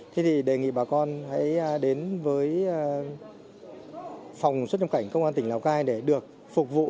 thế thì đề nghị bà con hãy đến với phòng xuất nhập cảnh công an tỉnh lào cai để được phục vụ